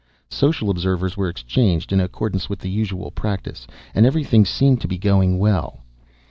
"Social observers were exchanged, in accordance with the usual practice, and everything seemed to be going well."